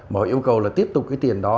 mà họ yêu cầu là tiếp tục cái tiền đó